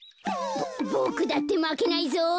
ボクだってまけないゾ。